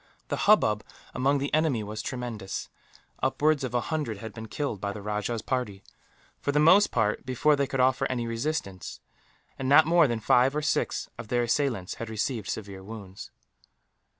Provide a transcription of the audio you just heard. The hubbub among the enemy was tremendous. Upwards of a hundred had been killed, by the rajah's party for the most part before they could offer any resistance and not more than five or six of their assailants had received severe wounds.